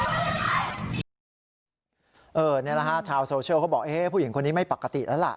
นี่แหละค่ะชาวโซเชียลเขาบอกพวกนี้ไม่ปกติแล้วล่ะ